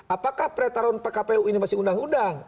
apakah pretarun pkpu ini masih undang undang